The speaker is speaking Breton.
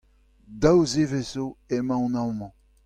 Daou zevezh zo emaon amañ.